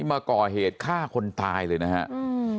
มาก่อเหตุฆ่าคนตายเลยนะครับ